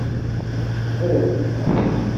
Ad rebḥeɣ.